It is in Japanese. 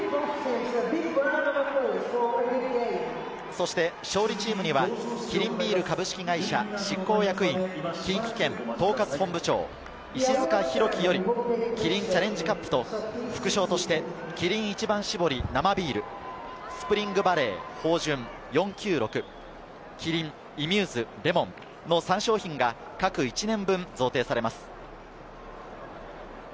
そして勝利チームにはキリンビール株式会社執行役員、近畿圏統括本部長・石塚浩樹よりキリンチャレンジカップと副賞としてキリン『一番搾り生ビール』、『ＳＰＲＩＮＧＶＡＬＬＥＹ豊潤４９６』、キリン『ｉＭＵＳＥレモン』の３商品が各１年分贈呈されます。